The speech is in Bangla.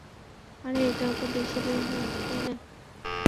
আরে, এটাও তো দেশসেবাই হলো, তাই না?